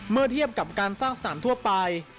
เมื่อเทียบกับการสร้างสนามทั่วไป